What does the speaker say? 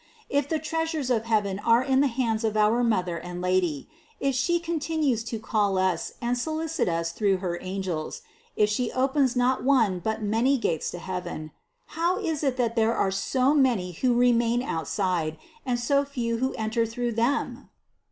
If the treasures of heaven are in the hands of our Mother and Lady, if She continues to call us and solicit us through her angels, if She opens not one but many gates to heaven, how is it that there are so many who remain outside and so few who enter through them?